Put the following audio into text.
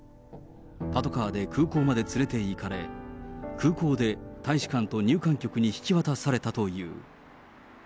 パトカーで空港まで連れていかれ、空港で大使館と入管局に引き渡されたという。